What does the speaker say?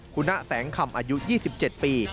คุณะแสงคำอายุ๒๗ปี